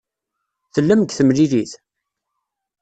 Tellam deg temlilit?